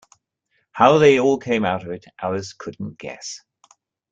How they all came out of it Alice couldn’t guess.